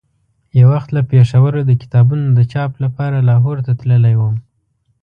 یو وخت له پېښوره د کتابونو د چاپ لپاره لاهور ته تللی وم.